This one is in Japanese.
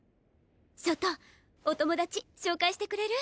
焦凍お友達紹介してくれる？